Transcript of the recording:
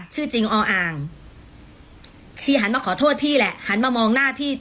ชื่อจริงออ่างชีหันมาขอโทษพี่แหละหันมามองหน้าพี่